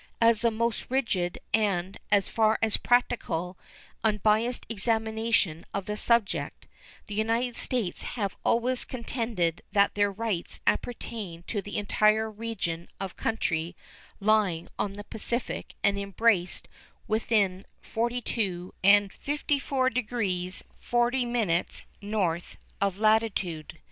After the most rigid and, as far as practicable, unbiased examination of the subject, the United States have always contended that their rights appertain to the entire region of country lying on the Pacific and embraced within 42 and 54 40' of north latitude.